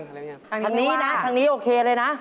คันนี้นะทางนี้โอเคเลยนะ